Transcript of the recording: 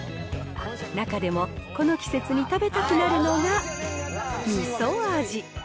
中でもこの季節に食べたくなるのが、味噌味。